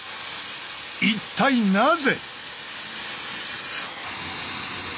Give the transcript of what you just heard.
一体なぜ？